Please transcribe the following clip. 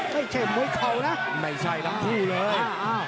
ไม่ใช่มวยเข่านะไม่ใช่ทั้งคู่เลย